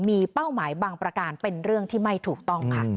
มีเป้าหมายบางประการเป็นเรื่องที่ไม่ถูกต้องค่ะ